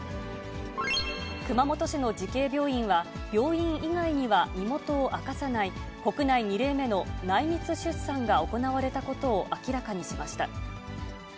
熊本市の慈恵病院は、病院以外には身元を明かさない、国内２例目の内密出産が行われたことを明らかにしました。